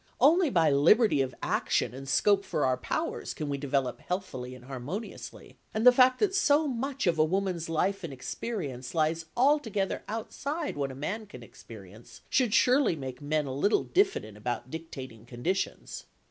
Only by liberty of action and scope for our powers can we develop healthily and harmoniously, and the fact that so much of a woman's life and experience lies altogether outside what a man can experience should surely make men a little diffident about dictating conditions.